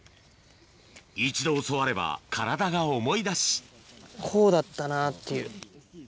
一度教われば体が思い出しこうだったなっていう。